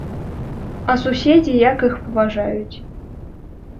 А суседзі як іх паважаюць.